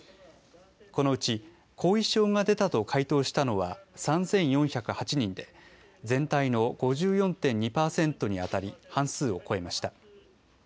このうち、後遺症が出たと回答したのは３４０８人で、全体の５４．２％に当たり、半数を超えました。